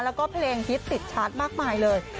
แล้วก็เพลงฮิตติดชาร์จมากมายเลย